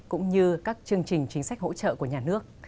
cũng như các chương trình chính sách hỗ trợ của nhà nước